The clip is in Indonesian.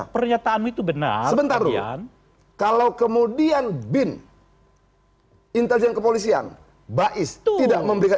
pernyataan itu benar sebentar dulu kalau kemudian bin hai intelijen kepolisian baiz tidak memberikan